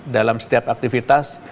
dalam setiap aktivitas